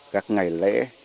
các ngày lễ